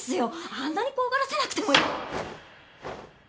あんなに怖がらせなくても。